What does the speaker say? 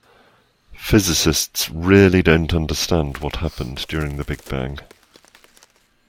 Physicists really don't understand what happened during the big bang